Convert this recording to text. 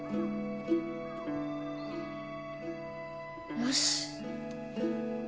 よし。